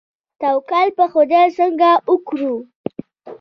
توکل په خدای څنګه وکړو؟